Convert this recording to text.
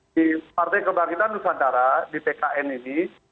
di partai kebangkitan nusantara di tkn ini